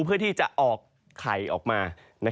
เพื่อที่จะออกไข่ออกมา